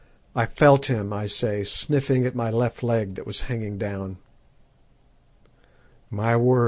I felt him, I say, sniffing at my left leg that was hanging down. "My word!